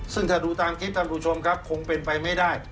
ซึ่งถ้าดูตามคลิปท่านผู้ชมครับคงเป็นไปไม่ได้